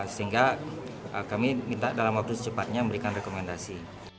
sehingga kami minta dalam waktu secepatnya memberikan rekomendasi